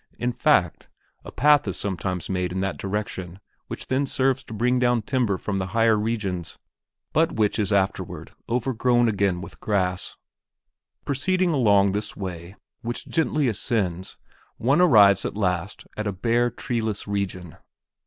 In fact, a path is sometimes made in that direction which then serves to bring down timber from the higher regions, but which is afterward overgrown again with grass. Proceeding along this way, which gently ascends, one arrives at last at a bare, treeless region.